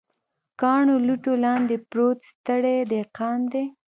کاڼو، لوټو لاندې پروت ستړی دهقان دی